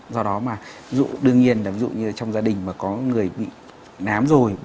do đó mà dụ đương nhiên là dụ như trong gia đình mà có người bị nám rồi